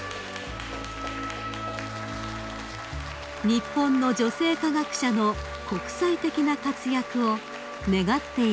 ［日本の女性科学者の国際的な活躍を願っていらっしゃいました］